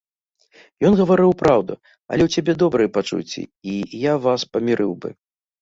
Ён гаварыў праўду, але ў цябе добрыя пачуцці, і я вас памірыў бы.